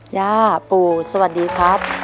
ย่าปู่สวัสดีครับ